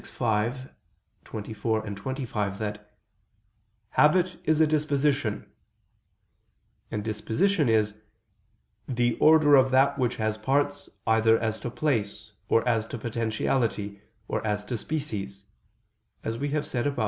v, text. 24, 25) that "habit is a disposition": and disposition is "the order of that which has parts either as to place, or as to potentiality, or as to species," as we have said above (A.